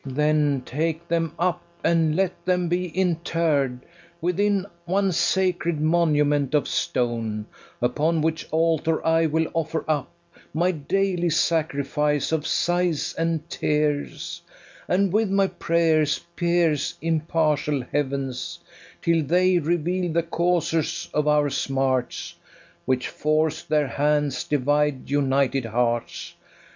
FERNEZE. Then take them up, and let them be interr'd Within one sacred monument of stone; Upon which altar I will offer up My daily sacrifice of sighs and tears, And with my prayers pierce impartial heavens, Till they [reveal] the causers of our smarts, Which forc'd their hands divide united hearts.